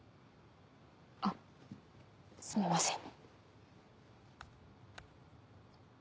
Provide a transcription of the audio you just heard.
あっすみません。